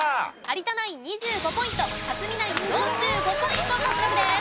有田ナイン２５ポイント克実ナイン４５ポイント獲得です。